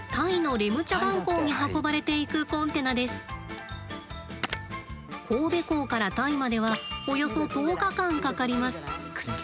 これは神戸港からタイまではおよそ１０日間かかります。